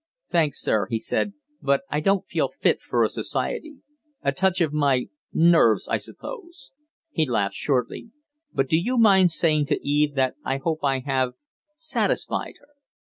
"Thanks, sir," he said, "but I don't feel fit for society. A touch of my nerves, I suppose." He laughed shortly. "But do you mind saying to Eve that I hope I have satisfied her?"